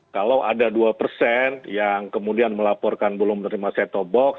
kalau ada dua persen yang kemudian melaporkan belum menerima set top box